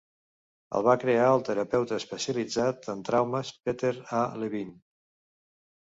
El va crear el terapeuta especialitzat en traumes Peter A. Levine.